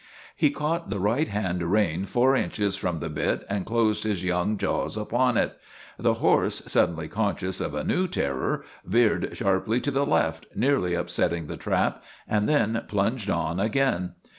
He caught the right hand rein four inches from the bit and closed his young jaws upon it. The horse, suddenly conscious of a new terror, veered sharply to the left, nearly upsetting the trap, and then plunged on again.